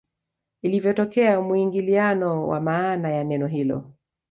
Ilivyotokea muingiliano wa maana ya neno hilo